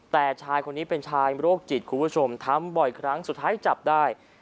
แต่ชายคนนี้เป็นชายโรคจิตคุณผู้ชมทำบ่อยครั้งสุดท้ายจับได้